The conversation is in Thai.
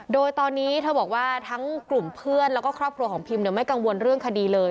โดยตอนนี้เธอบอกว่าทั้งกลุ่มเพื่อนแล้วก็ครอบครัวของพิมไม่กังวลเรื่องคดีเลย